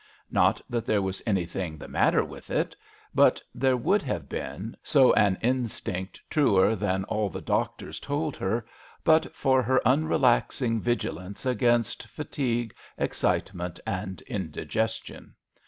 Not that there was anything the matter with it; but there would have been, so an instinct truer than all the doctors told her, but for her unrelaxing vigilance against fatigue, excitement, and indiges tion.